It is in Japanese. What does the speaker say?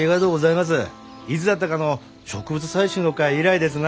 いつだったかの植物採集の会以来ですな。